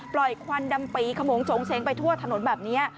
ควันดำปีขโมงจงเชงไปทั่วถนนแบบนี้